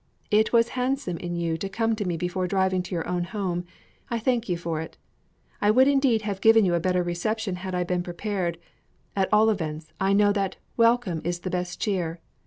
"It was handsome in you to come to me before driving to your own home. I thank you for it. I would indeed have given you a better reception had I been prepared; at all events, I know that 'Welcome is the best cheer.'